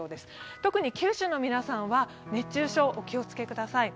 特に九州の皆さんは熱中症お気を付けください。